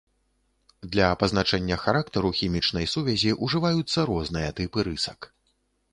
Для пазначэння характару хімічнай сувязі ўжываюцца розныя тыпы рысак.